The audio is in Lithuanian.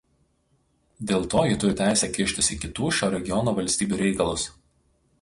Dėl to ji turi teisę kištis į kitų šio regiono valstybių reikalus".